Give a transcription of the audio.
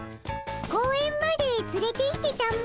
公園までつれていってたも。